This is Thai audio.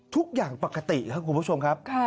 ทุกอย่างปกติครับคุณผู้ชมครับ